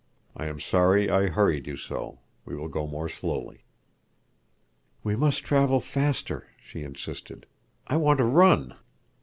I am sorry I hurried you so. We will go more slowly." "We must travel faster," she insisted. "I want to run."